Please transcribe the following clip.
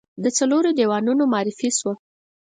د څلورو دیوانونو معرفي شوه.